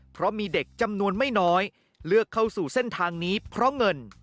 เพราะมีเด็กจำนวนไม่น้อยเลือกเข้าสู่เส้นทางนี้เพราะเงิน